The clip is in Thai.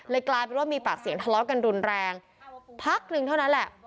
กลายเป็นว่ามีปากเสียงทะเลาะกันรุนแรงพักหนึ่งเท่านั้นแหละ